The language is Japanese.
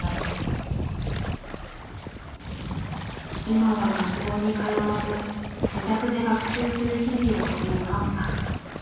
今は学校に通わず自宅で学習する日々を送るナオさん。